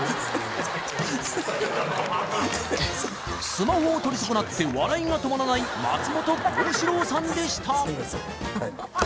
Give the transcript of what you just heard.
スマホを取り損なって笑いが止まらない松本幸四郎さんでした